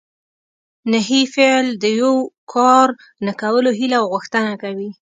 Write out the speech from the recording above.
نهي فعل د یو کار نه کولو هیله او غوښتنه کوي.